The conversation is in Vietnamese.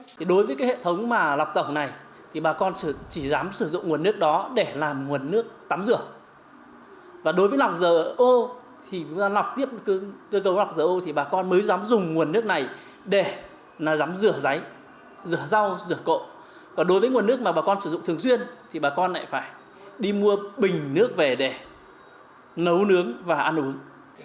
thì bà con lại phải đi mua bình nước về để nấu nướng và ăn uống